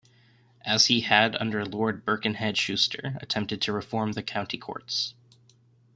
As he had under Lord Birkenhead Schuster attempted to reform the County Courts.